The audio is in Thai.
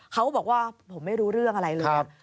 เขาบอกว่าผมไม่รู้เรื่องอะไรเลย